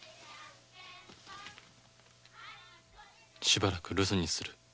「しばらく留守にする。